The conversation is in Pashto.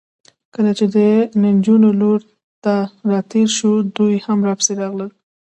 کله چې د نجونو لور ته راتېر شوو، دوی هم راپسې راغلل.